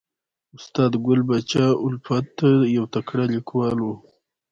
استاد ګل پاچا الفت یو تکړه لیکوال و